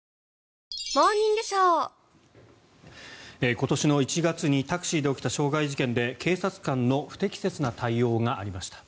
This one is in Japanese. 今年の１月にタクシーで起きた傷害事件で警察官の不適切な対応がありました。